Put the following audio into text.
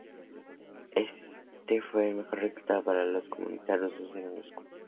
Este fue el mejor resultado para los comunistas rusos en Moscú.